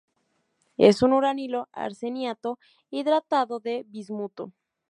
Es un uranilo-arseniato hidratado de bismuto.